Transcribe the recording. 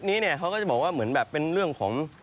นี้เนี่ยเขาก็จะบอกว่าเหมือนแบบเป็นเรื่องของ